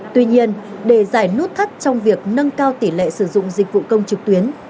tuy nhiên để giải nút thắt trong việc nâng cao tỷ lệ sử dụng dịch vụ công trực tuyến